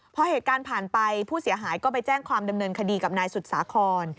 พอเหตุการณ์ผ่านไปผู้เสียหายก็ไปแจ้งความดำเนินคดีกับนายสุดสาคร